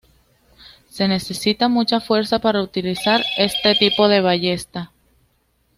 Se necesita mucha fuerza para utilizar este tipo de ballesta.